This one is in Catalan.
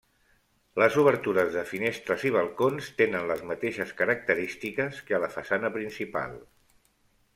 Les obertures de finestres i balcons tenen les mateixes característiques que a la façana principal.